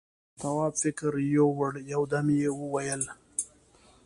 تواب فکر يووړ، يو دم يې وويل: